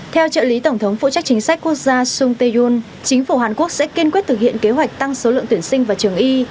theo trợ lý tổng thống phụ trách chính sách quốc gia sung tae yoon chính phủ hàn quốc sẽ kiên quyết thực hiện kế hoạch tăng số lượng tuyển sinh vào trường y